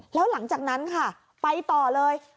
แล้วหลังจากนั้นค่ะไปต่อเลย